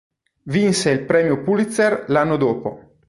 Vinse il Premio Pulitzer l'anno dopo.